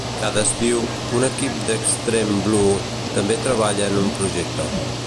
Cada estiu, un equip d'Extreme Blue també treballa en un projecte.